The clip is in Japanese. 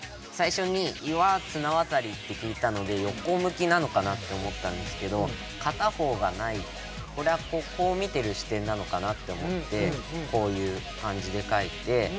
最初に岩つなわたりって聞いたのでよこむきなのかなって思ったんですけど片方がないこれはこう見てる視点なのかなって思ってこういう感じでかいて。